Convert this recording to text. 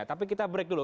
tapi kita break dulu